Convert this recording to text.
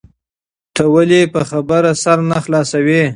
ته ولي په خبره سر نه خلاصوې؟